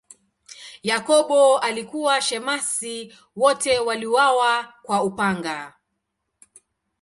Yakobo alikuwa shemasi, wote waliuawa kwa upanga.